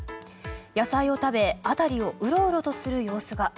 野菜を食べ辺りをうろうろとする様子が。